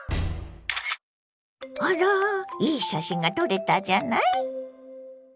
あらいい写真が撮れたじゃない。